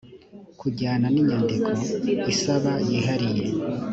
kujyana n inyandiko isaba yihariye